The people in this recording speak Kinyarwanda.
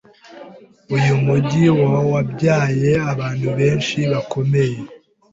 Uyu mujyi wabyaye abantu benshi bakomeye.